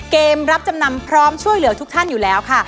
เกมรับจำนำพร้อมช่วยเหลือทุกท่านอยู่แล้วค่ะ